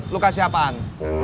lo kasih apaan